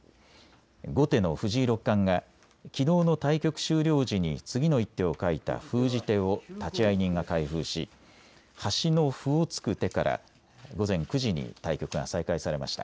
後手の藤井六冠がきのうの対局終了時に次の一手を書いた封じ手を立会人が開封し端の歩を突く手から午前９時に対局が再開されました。